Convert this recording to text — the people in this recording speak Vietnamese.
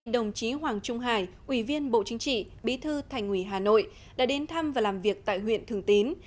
đồng chí hoàng trung hải ủy viên bộ chính trị bí thư thành ủy hà nội đã đến thăm và làm việc tại huyện thường tín